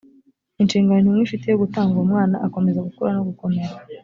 inshingano intumwa ifite yo gutanga uwo mwana akomeza gukura no gukomera